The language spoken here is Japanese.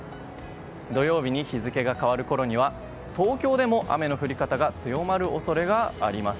土曜日に日付が変わるころには東京でも雨の降り方が強まる恐れがあります。